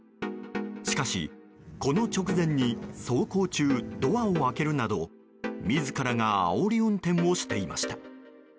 しかし、この直前に走行中ドアを開けるなど自らがあおり運転をしていました。